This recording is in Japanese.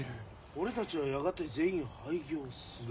俺たちはやがて全員廃業する。